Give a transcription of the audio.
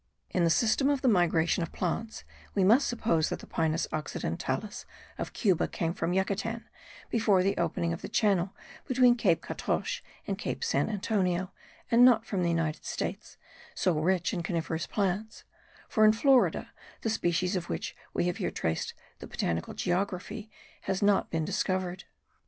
In the system of the migration of plants we must suppose that the Pinus occidentalis of Cuba came from Yucatan before the opening of the channel between Cape Catoche and Cape San Antonio, and not from the United States, so rich in coniferous plants; for in Florida the species of which we have here traced the botanical geography has not been discovered.